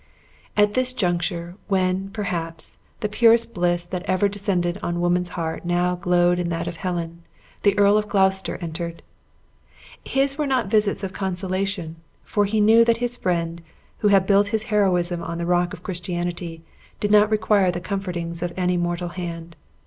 At this juncture, when, perhaps, the purest bliss that ever descended on woman's heart now glowed in that of Helen, the Earl of Gloucester entered. His were not visits of consolation, for he knew that his friend, who had built his heroism on the rock of Christianity, did not require the comfortings of any mortal hand.